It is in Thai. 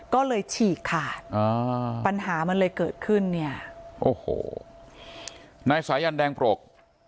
ก็เลยฉีกขาดปัญหามันเลยเกิดขึ้นเนี่ยโอ้โหนายสายันแดงปรก